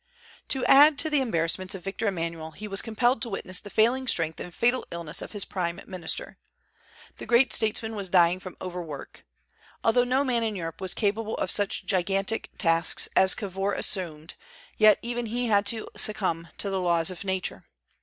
To add to the embarrassments of Victor Emmanuel, he was compelled to witness the failing strength and fatal illness of his prime minister. The great statesman was dying from overwork. Although no man in Europe was capable of such gigantic tasks as Cavour assumed, yet even he had to succumb to the laws of nature.